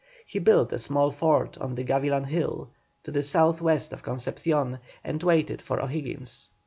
He built a small fort on the Gavilán Hill, to the south west of Concepcion, and waited for O'Higgins.